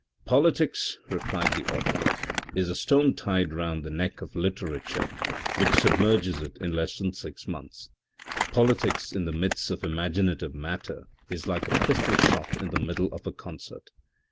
" Politics," replies the author, " is a stone tied round the neck of literature which submerges it in less than six months. Politics in the midst of imaginative matter is like a pistol shot in the middle of a concert.